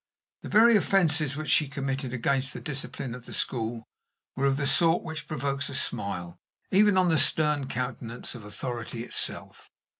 The very offenses which she committed against the discipline of the school were of the sort which provoke a smile even on the stern countenance of authority itself.